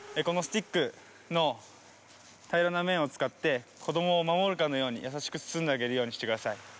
このスティックのたいらなめんをつかってこどもをまもるかのようにやさしくつつんであげるようにしてください。